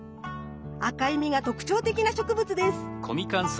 赤い実が特徴的な植物です。